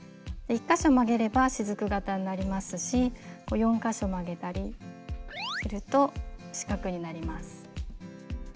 １か所曲げればしずく形になりますし４か所曲げたりすると四角になります。